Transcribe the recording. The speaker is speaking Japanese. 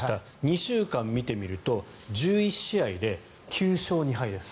２週間見てみると、１１試合で９勝２敗です。